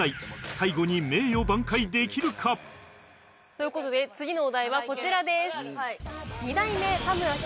最後に名誉挽回できるか？という事で次のお題はこちらです。